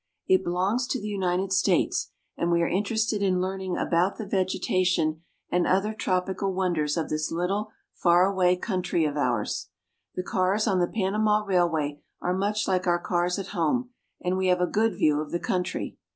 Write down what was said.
It belongs to the United States, and we are interested in learning about the vegetation and other tropical wonders of this little far away country of ours. The cars on the Panama Railway are much like our cars at home, and we have a good view of the country.